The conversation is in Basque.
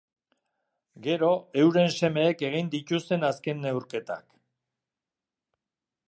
Gero, euren semeek egin dituzten azken neurketak.